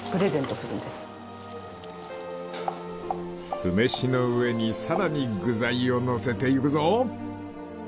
［酢飯の上にさらに具材を乗せていくぞ］